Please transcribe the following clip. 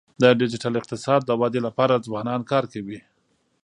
د ډیجیټل اقتصاد د ودی لپاره ځوانان کار کوي.